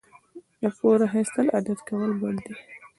د پور اخیستل عادت کول بد دي.